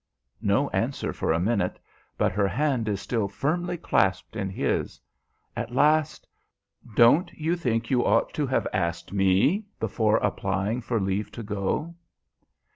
No answer for a minute; but her hand is still firmly clasped in his. At last, "Don't you think you ought to have asked me, before applying for leave to go?"